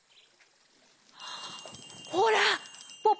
ほらポポ